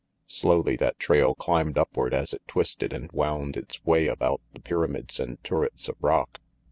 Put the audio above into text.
Slowly that trail climbed upward as it twisted and wound its way about the pyramids and turrets of rock.